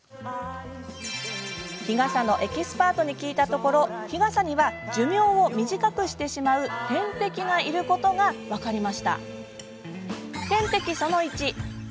日傘のエキスパートに聞いたところ、日傘には寿命を短くしてしまう天敵がいることが分かりました。